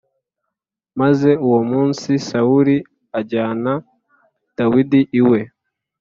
Maze uwo munsi Sawuli ajyana Dawidi iwe